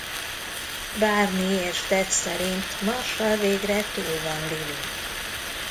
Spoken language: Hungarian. Barney és Ted szerint Marshall végre túl van Lilyn.